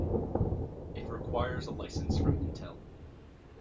It requires a license from Intel.